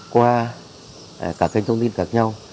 qua các thanh thông tin khác nhau